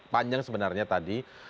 panjang sebenarnya tadi